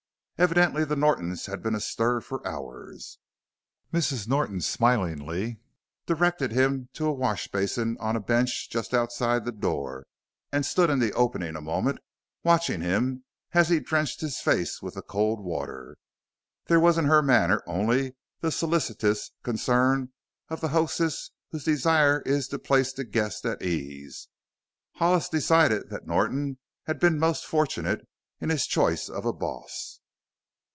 Evidently the Nortons had been astir for hours. Mrs. Norton smilingly directed him to a wash basin on a bench just outside the door and stood in the opening a moment, watching him as he drenched his face with the cold water. There was in her manner only the solicitous concern of the hostess whose desire is to place a guest at ease. Hollis decided that Norton had been most fortunate in his choice of a "boss."